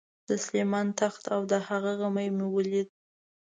د سلیمان تخت او د هغه غمی مې ولید.